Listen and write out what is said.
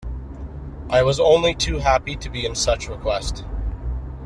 I was only too happy to be in such request.